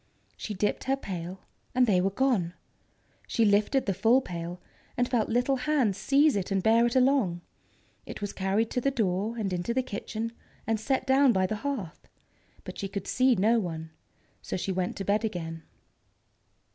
She dipped her pail, and they were gone. She lifted the full pail, and felt little hands seize it and bear it along. It was carried to the door, and into the kitchen, and set down by the hearth. But she could see no one, so she went to bed again.